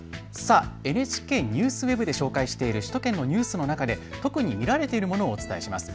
ＮＨＫＮＥＷＳＷＥＢで紹介している首都圏のニュースの中で特に見られているものをお伝えします。